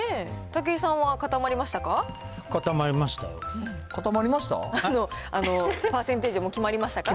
武井さんは固まりましたか？